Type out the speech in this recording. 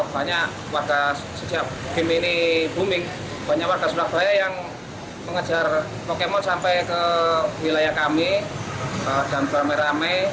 pokemon sampai ke wilayah kami dan beramai ramai